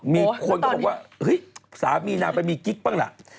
มีคนก็บอกว่าเฮ้ยสามีนางไปมีกิ๊กบ้างล่ะ